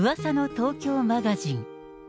東京マガジン。